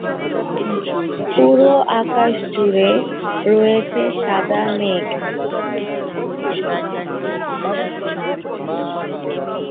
পুরো আকাশ জুড়ে রয়েছে সাদা মেঘ।